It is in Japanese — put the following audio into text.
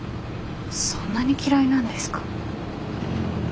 そんなに嫌いなんですか？